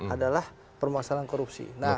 adalah permasalahan korupsi